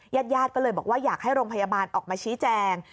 ญาติญาติก็เลยบอกว่าอยากให้โรงพยาบาลออกมาชี้แจง